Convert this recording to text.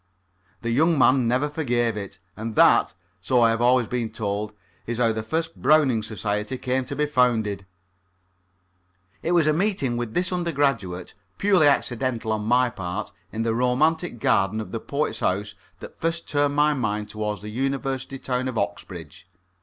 The young man never forgave it. And that, so I have always been told, is how the first Browning Society came to be founded. It was a meeting with this undergraduate purely accidental on my part in the romantic garden of the poet's house that first turned my mind towards the university town of Oxbridge.